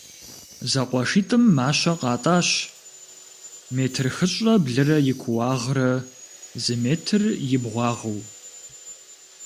Зэкъуэшитӏым мащэ къатӏащ метр хыщӏрэ блырэ и кууагърэ зы метр и бгъуагъыу.